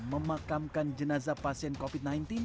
memakamkan jenazah pasien covid sembilan belas